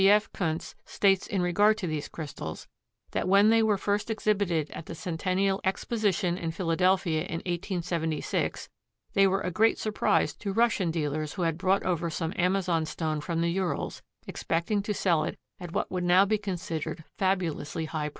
G. F. Kunz states in regard to these crystals that when they were first exhibited at the Centennial Exposition in Philadelphia in 1876 they were a great surprise to Russian dealers who had brought over some amazonstone from the Urals, expecting to sell it at what would now be considered fabulously high prices.